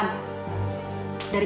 tak ada ni